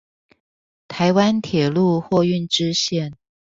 臺灣鐵路貨運支線